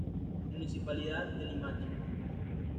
Municipalidad de Limache.